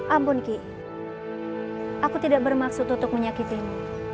ampun ki aku tidak bermaksud untuk menyakitimu